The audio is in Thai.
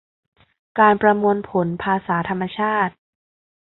การประมวลผลภาษาธรรมชาติ